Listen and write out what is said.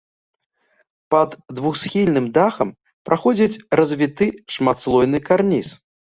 Пад двухсхільным дахам праходзіць развіты шматслойны карніз.